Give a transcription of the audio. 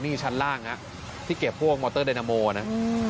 นี่ชั้นล่างที่เก็บพวกมอเตอร์ไดนาโมนะ